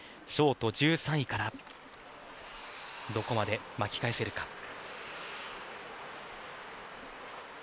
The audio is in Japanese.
ショート１３位からどこまで巻き返せるか。